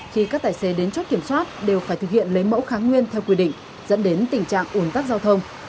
khi các tài xế đến chốt kiểm soát đều phải thực hiện lấy mẫu kháng nguyên theo quy định dẫn đến tình trạng ủn tắc giao thông